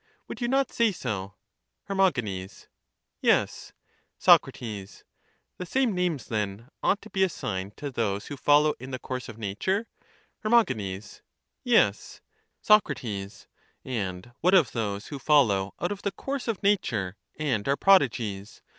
Would you not say so? Her. Yes. Soc. The same names, then, ought to be assigned to tliose who follow in the course of natiu^e? Her. Yes. Soc. And what of those who follow out of the course of nature, and are prodigies?